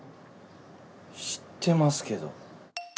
知ってますけど。